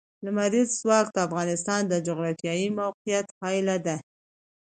لمریز ځواک د افغانستان د جغرافیایي موقیعت پایله ده.